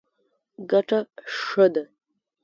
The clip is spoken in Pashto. ګټه ښه ده.